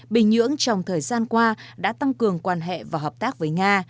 bình nhưỡng trong thời gian qua đã tăng cường quan hệ và hợp tác với nga